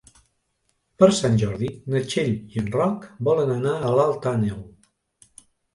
Per Sant Jordi na Txell i en Roc volen anar a Alt Àneu.